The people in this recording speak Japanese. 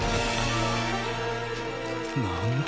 何だ？